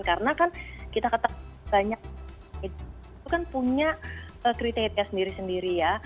karena kan kita ketahui banyak hal itu kan punya kriteria sendiri sendiri ya